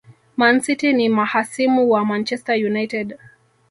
Man city ni mahasimu wa Manchester United